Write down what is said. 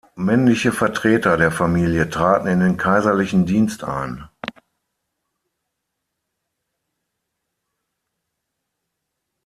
Männliche Vertreter der Familie traten in den kaiserlichen Dienst ein.